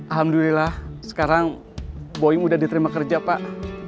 alhamdulillah sekarang boeing udah diterima kerja pak